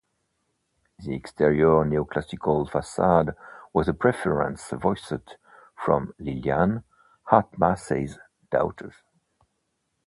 The exterior neoclassical facade was a preference voiced from Lillian, Hart Massey's daughter.